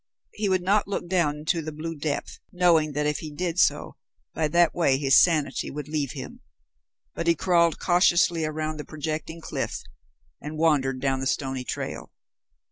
He would not look down into the blue depth, knowing that if he did so, by that way his sanity would leave him, but he crawled cautiously around the projecting cliff and wandered down the stony trail.